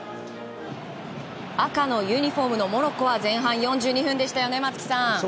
赤のユニホームのモロッコは前半４２分でしたね、松木さん。